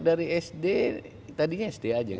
dari sd tadinya sd aja